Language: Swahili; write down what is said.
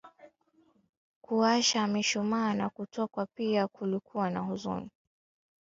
kuwasha mishumaa na kutokwa Pia kulikuwa na huzuni